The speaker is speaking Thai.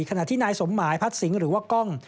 ขณะที่นายสมหมายพัดสิงห์หรือว่ากล้อง